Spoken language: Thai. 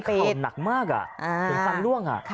คุดตีเข่าหนักมากอะเป็นฟันล่วงค่ะ